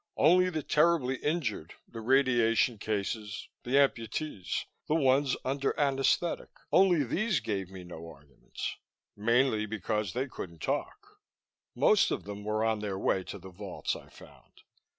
Only the terribly injured, the radiation cases, the amputees, the ones under anesthetic only these gave me no arguments, mainly because they couldn't talk. Most of them were on their way to the vaults, I found.